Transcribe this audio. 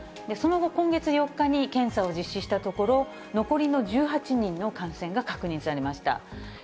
その後、今月４日に検査を実施したところ、残りの１８人の感染が確認されました。